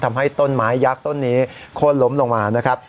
ทำให้ต้นไม้ยักษ์ต้นนี้โค้นล้มลงมานะครับ